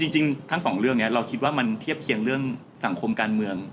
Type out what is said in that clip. จริงทั้งสองเรื่องนี้เราคิดว่ามันเทียบเคียงเรื่องสังคมการเมือง